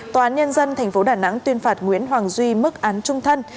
tòa án nhân dân thành phố đà nẵng tuyên phạt nguyễn hoàng duy mức án trung thân